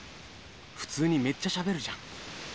普通にめっちゃしゃべるじゃん。